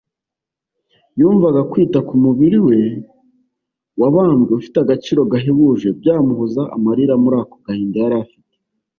yumvaga kwita ku mubiri we wabambwe ufite agaciro gahebuje byamuhoza amarira muri ako gahinda yari afite